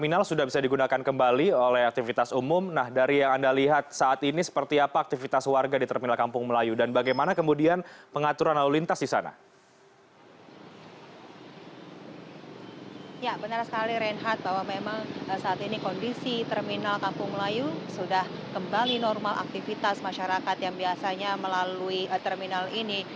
saya sekali renhat bahwa memang saat ini kondisi terminal kampung melayu sudah kembali normal aktivitas masyarakat yang biasanya melalui terminal ini